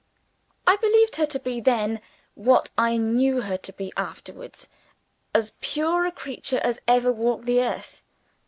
I believed her to be then, what I knew her to be afterwards, as pure a creature as ever walked the earth.